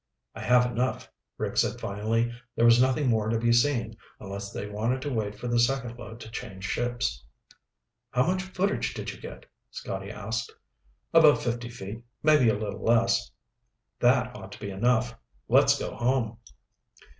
"I have enough," Rick said finally. There was nothing more to be seen, unless they wanted to wait for the second load to change ships. "How much footage did you get?" Scotty asked. "About fifty feet, maybe a little less." "That ought to be enough. Let's go home."